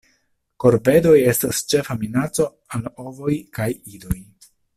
Korvedoj estas ĉefa minaco al ovoj kaj idoj.